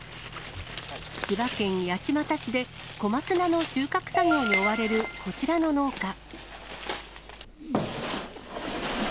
千葉県八街市で、小松菜の収穫作業に追われるこちらの農家。